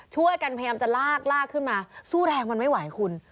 ช่วยกันพยายามจะลากลากขึ้นมาสู้แรงมันไม่ไหวคุณ